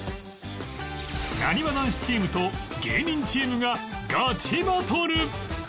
なにわ男子チームと芸人チームがガチバトル！